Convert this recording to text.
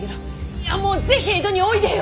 いやもうぜひ江戸においでよ！